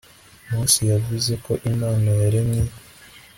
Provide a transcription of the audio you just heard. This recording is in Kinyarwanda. mose yavuze ko imana yaremye